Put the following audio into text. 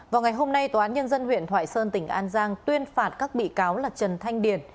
vào ngày hôm nay tòa án nhân dân huyện thoại sơn tỉnh an giang tuyên phạt các bị cáo là trần thanh điền